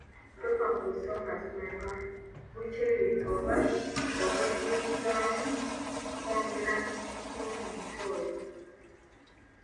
Tofa ku busongasonga bukyereeta oba obweyingiza mu kwogera kw’omuntu oyo.